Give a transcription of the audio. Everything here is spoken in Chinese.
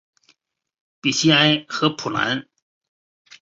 比西埃和普兰。